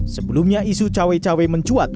sebelumnya isu cawe cawe mencuat